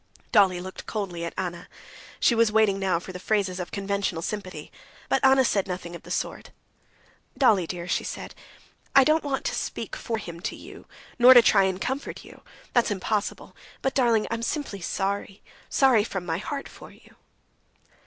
Dolly looked coldly at Anna; she was waiting now for phrases of conventional sympathy, but Anna said nothing of the sort. "Dolly, dear," she said, "I don't want to speak for him to you, nor to try to comfort you; that's impossible. But, darling, I'm simply sorry, sorry from my heart for you!"